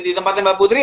di tempatnya mbak putri